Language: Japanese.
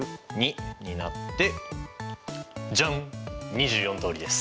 ２４通りです。